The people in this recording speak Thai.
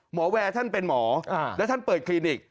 แวร์ท่านเป็นหมอและท่านเปิดคลินิก